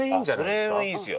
それもいいですよ。